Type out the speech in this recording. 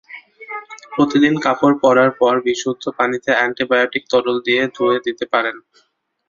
প্রতিদিন পরার কাপড় বিশুদ্ধ পানিতে অ্যান্টিবায়োটিক তরল দিয়ে ধুয়ে দিতে পারেন।